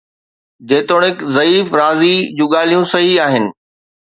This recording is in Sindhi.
جيتوڻيڪ ضعيف، رازي جون ڳالهيون صحيح آهن